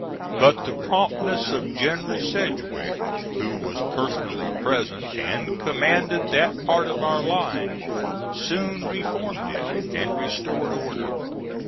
But the promptness of General Sedgwick, who was personally present and commanded that part of our line, soon reformed it and restored order.